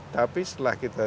tapi setelah kita